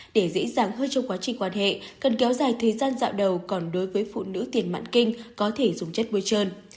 để dễ dàng hơn trong quá trình quan hệ cần kéo dài thời gian dạo đầu còn đối với phụ nữ tiền mãn kinh có thể dùng chất bôi trơn